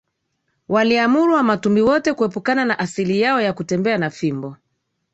waliamuru Wamatumbi wote kuepukana na asili yao ya kutembea na fimbo